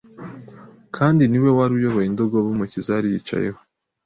kandi ni we wari uyoboye indogobe Umukiza yari yicayeho